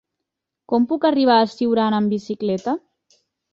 Com puc arribar a Siurana amb bicicleta?